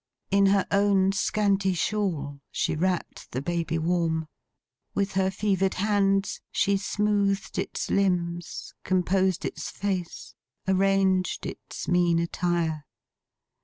In her own scanty shawl, she wrapped the baby warm. With her fevered hands, she smoothed its limbs, composed its face, arranged its mean attire.